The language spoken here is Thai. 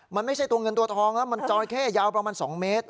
มันไม่ใช่ตัวเงินตัวทองแล้วมันจอยเข้ยาวประมาณ๒เมตร